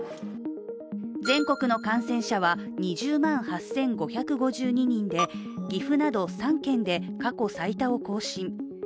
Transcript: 全国の感染者は２０万８５５２人で岐阜など３県で過去最多を更新。